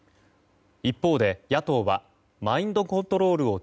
一方で野党はマインドコントロールを